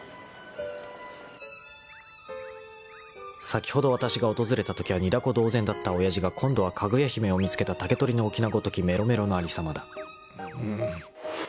［先ほどわたしが訪れたときは煮だこ同然だった親父が今度はかぐや姫を見つけた竹とりのおきなごときめろめろのありさまだ］